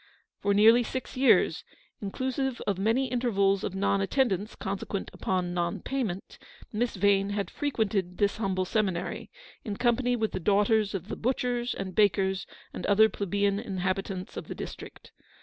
For nearly six years, inclusive of many intervals of non attendance consequent upon non payment, Miss Vane had frequented this humble seminary, in company with the daughters of the butchers and bakers and other plebeian inhabitants of the district.